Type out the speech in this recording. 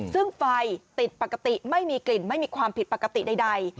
ซึ่งไฟติดปกติไม่มีกลิ่นไม่มีความผิดปกติใด